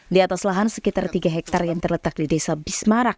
di atas lahan sekitar tiga hektare yang terletak di desa bismarak